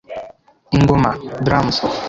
Ingoma (Drums)